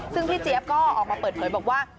ซึ่งพี่เจี๊ยบก็ออกมาเปิดเผยบอกว่า